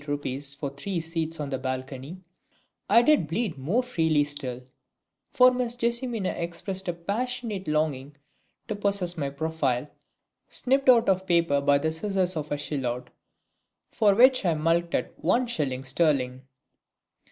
8 for three seats on the balcony) I did bleed more freely still, for Miss JESSIMINA expressed a passionate longing to possess my profile, snipped out of paper by the scissors of a Silhouette, for which I mulcted one shilling sterling.